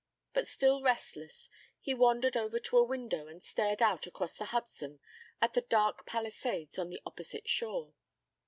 But still restless, he wandered over to a window and stared out across the Hudson at the dark Palisades on the opposite shore.